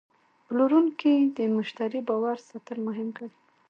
پلورونکی د مشتری باور ساتل مهم ګڼي.